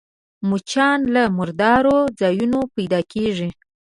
مچان له مردارو ځایونو پيدا کېږي